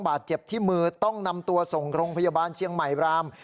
บาดเจ็บที่มือต้องนำตัวส่งโรงพยาบาลเชียงใหม่ราม